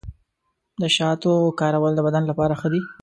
د شاتو کارول د بدن لپاره ښه دي.